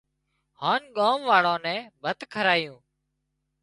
هانَ ڳام واۯان نين ڀت کارايُون